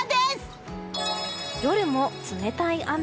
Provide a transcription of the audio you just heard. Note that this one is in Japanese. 夜も冷たい雨。